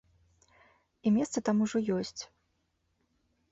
І месца там ужо ёсць.